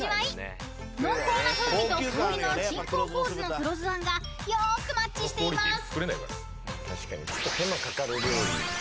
［濃厚な風味と香りの鎮江香醋の黒酢あんがよくマッチしています］